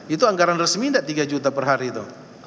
itu anggaran resmi tidak tiga juta per hari itu